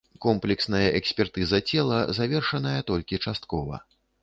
Комплексная экспертыза цела завершаная толькі часткова.